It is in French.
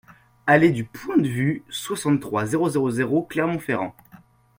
Allée du Point de Vue, soixante-trois, zéro zéro zéro Clermont-Ferrand